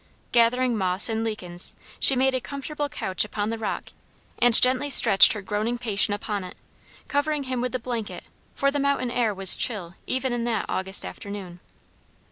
Gathering moss and lichens she made a comfortable couch upon the rock, and gently stretched her groaning patient upon it, covering him with the blanket for the mountain air was chill even in that August afternoon.